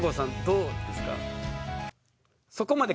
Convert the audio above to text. どうですか？